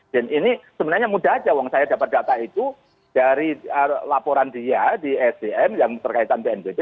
dan ini sebenarnya mudah aja uang saya dapat data itu dari laporan dia di sdm yang berkaitan bnpt